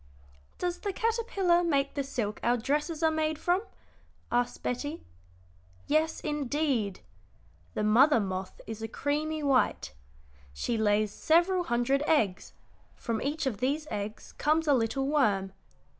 "Does the caterpillar make the silk our dresses are made from?" asked Betty. "Yes, indeed. The mother moth is a creamy white. She lays several hundred eggs; from each of these eggs comes a little worm.